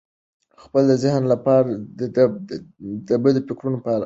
خپل ذهن له بدو فکرونو پاک کړئ.